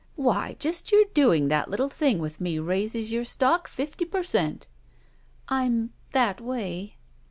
Why, just your doing that little thing with me raises your stodi: fifty per cent." "I'm— that way."